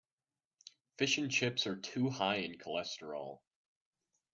Fish and chips are too high in cholesterol.